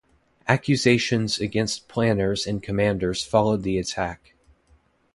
Accusations against planners and commanders followed the attack.